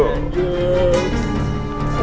jangan lupa jem